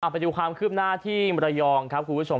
ไปดูความคืบหน้าที่มรยองครับคุณผู้ชม